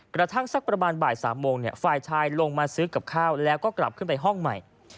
สักประมาณบ่าย๓โมงฝ่ายชายลงมาซื้อกับข้าวแล้วก็กลับขึ้นไปห้องใหม่